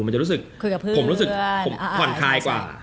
มันจะรู้สึกผมรู้สึกผมผ่อนคลายกว่า